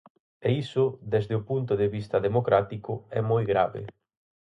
E iso, desde o punto de vista democrático, é moi grave.